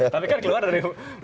tapi kan keluar dari